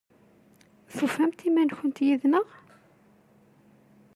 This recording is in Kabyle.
Tufamt iman-nkent yid-neɣ?